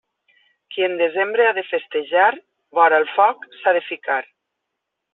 Qui en desembre ha de festejar, vora el foc s'ha de ficar.